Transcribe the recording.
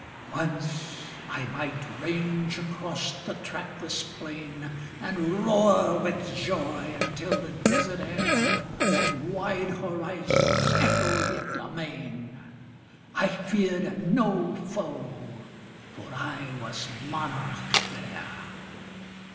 Once I might range across the trackless plain, And roar with joy, until the desert air And wide horizons echoed it amain : I feared no foe, for I was monarch there